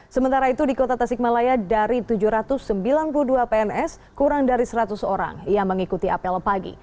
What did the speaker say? sementara itu di kota tasikmalaya dari tujuh ratus sembilan puluh dua pns kurang dari seratus orang yang mengikuti apel pagi